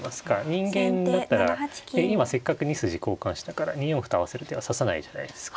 人間だったら今せっかく２筋交換したから２四歩と合わせる手は指さないじゃないですか。